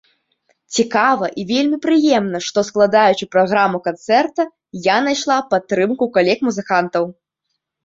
Цікава і вельмі прыемна, што, складаючы праграму канцэрта, я найшла падтрымку ў калег-музыкантаў.